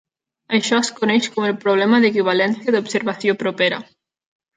Això es coneix com el problema d'"equivalència d'observació propera".